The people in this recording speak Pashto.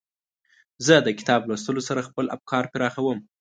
زه د کتاب لوستلو سره خپل افکار پراخوم.